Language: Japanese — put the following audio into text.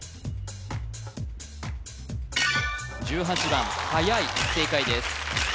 １８番はやい正解です